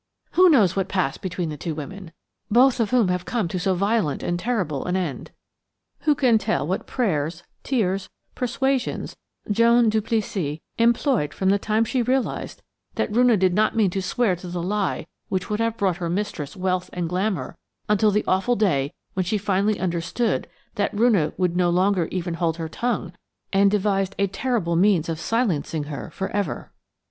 "Who knows what passed between the two women, both of whom have come to so violent and terrible an end? Who can tell what prayers, tears, persuasions Joan Duplessis employed from the time she realised that Roonah did not mean to swear to the lie which would have brought her mistress wealth and glamour until the awful day when she finally understood that Roonah would no longer even hold her tongue, and devised a terrible means of silencing her for ever?